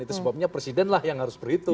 itu sebabnya presiden lah yang harus berhitung